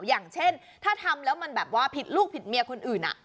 อย่างเช่นถ้าทำแล้วมันแบบว่าผิดลูกผิดเมียคนอื่น